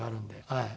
はい。